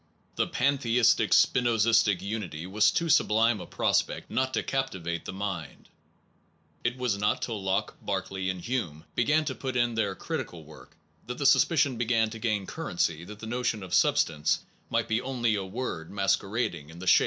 The panthe istic spinozistic unity was too sublime a pros pect not to captivate the mind. It was not till Locke, Berkeley, and Hume began to put in their critical work that the suspicion began to gain currency that the notion of substance might be only v a word masquerading in the shape of an idea.